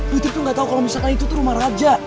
putri tuh gak tau kalau misalkan itu tuh rumah raja